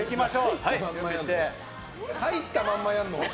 入ったままやるの？